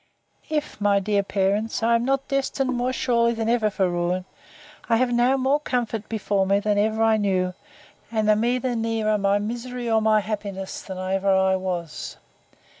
If, my dear parents, I am not destined more surely than ever for ruin, I have now more comfort before me than ever I yet knew: and am either nearer my happiness, or my misery, than ever I was.